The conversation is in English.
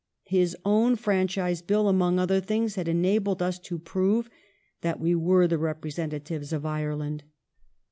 His own Franchise Bill, among other things, had enabled us to prove that we were the representatives of Ireland.